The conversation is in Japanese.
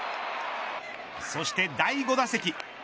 そして第５打席。